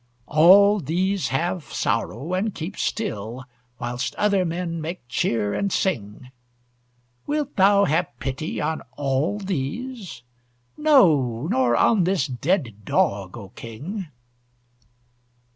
All these have sorrow, and keep still, Whilst other men make cheer, and sing, Wilt thou have pity on all these? No, nor on this dead dog, O King!